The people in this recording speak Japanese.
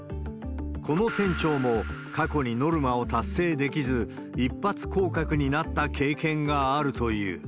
この店長も過去にノルマを達成できず、一発降格になった経験があるという。